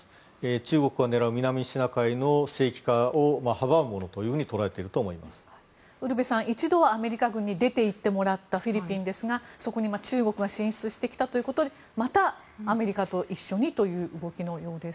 中国が狙う南シナ海の聖域化を阻むものとウルヴェさん１度はアメリカ軍に出ていってもらったフィリピンですが、そこに中国が進出してきたということでまたアメリカと一緒にという動きのようです。